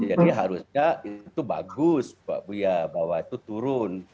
jadi harusnya itu bagus pak buya bahwa itu turun